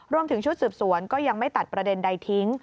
รวมถึงชุดสืบสวนก็ยังไม่ตัดประเด็นใดทิ้ง